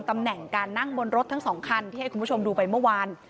ตำแหน่งการนั่งบนรถทั้งสองคันที่ให้คุณผู้ชมดูไปเมื่อวาน